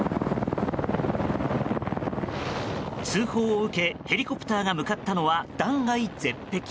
通報を受けヘリコプターが向かったのは断崖絶壁。